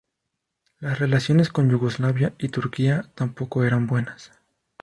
Las relaciones con Yugoslavia y Turquía tampoco eran buenas.